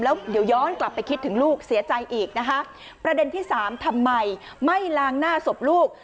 แล้วเดี๋ยวย้อนกลับไปคิดถึงลูกเสียใจอีกนะคะประเด็นที่สามทำไมไม่ล้างหน้าศพลูก